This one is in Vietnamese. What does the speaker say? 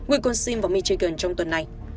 wisconsin và michigan trong tuần này